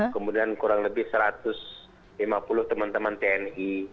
kemudian kurang lebih satu ratus lima puluh teman teman tni